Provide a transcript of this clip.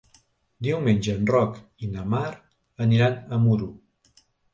Diumenge en Roc i na Mar aniran a Muro.